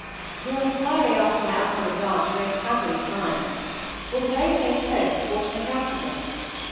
Your inquiry after my uncle and aunt were most happily timed, for the very same post brought an account of them.